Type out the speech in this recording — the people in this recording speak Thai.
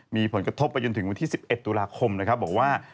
มีผลกระทบไปจนถึงวันที่๑๑ตุลาคมนะครับบอกว่า